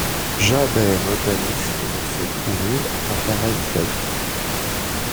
Jamais botaniste ne s’est trouvé à pareille fête !